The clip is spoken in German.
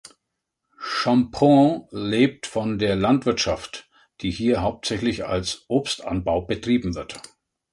Chumphon lebt von der Landwirtschaft, die hier hauptsächlich als Obstanbau betrieben wird.